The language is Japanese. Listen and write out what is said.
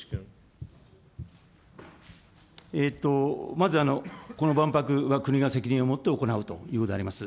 まず、この万博は国が責任を持って行うということであります。